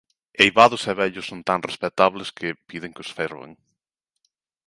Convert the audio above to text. Eivados e vellos son tan respectables que piden que os fervan.